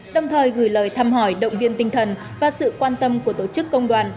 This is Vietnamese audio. đồng thời gửi lời thăm hỏi động viên tinh thần và sự quan tâm của tổ chức công đoàn